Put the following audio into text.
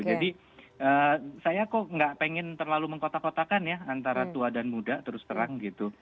jadi saya kok gak pengen terlalu mengkotak kotakan ya antara tua dan muda terus terang gitu